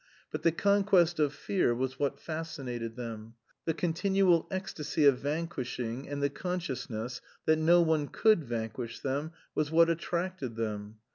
But the conquest of fear was what fascinated them. The continual ecstasy of vanquishing and the consciousness that no one could vanquish them was what attracted them.